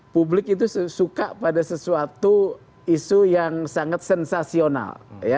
publik itu suka pada sesuatu isu yang sangat sensasional